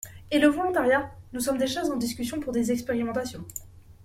Et le volontariat ? Nous sommes déjà en discussion pour des expérimentations.